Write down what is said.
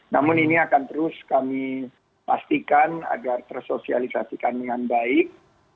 namun ini akan terus kami pastikan agar tersosialisasikan dengan baik